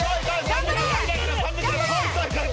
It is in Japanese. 頑張れ！